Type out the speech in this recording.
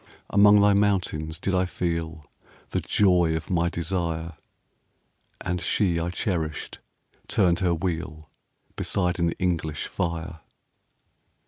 Among thy mountains did I feel The joy of my desire; 10 And she I cherished turned her wheel Beside an English fire.